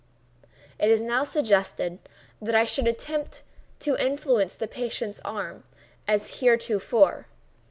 It was now suggested that I should attempt to influence the patient's arm, as heretofore.